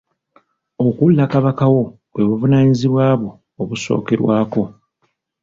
Okuwulira Kabaka wo bwe buvunaanyizibwa bwo obusookerwako.